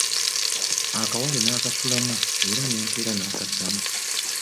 Akawale nakasulamu era n'enkeera n'akaddamu.